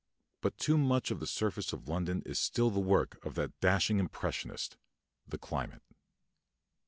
But too much of the surface of London is still the work of that dashing impressionist, the climate.